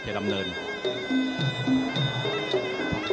สูง๑๗๙เซนติเมตรครับ